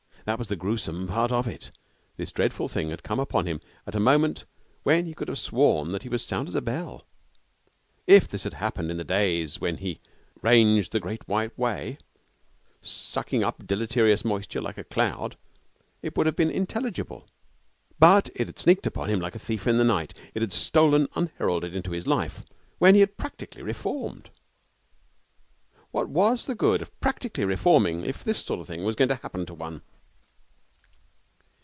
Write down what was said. That was the gruesome part of it this dreadful thing had come upon him at a moment when he could have sworn that he was sound as a bell. If this had happened in the days when he ranged the Great White Way, sucking up deleterious moisture like a cloud, it would have been intelligible. But it had sneaked upon him like a thief in the night; it had stolen unheralded into his life when he had practically reformed. What was the good of practically reforming if this sort of thing was going to happen to one?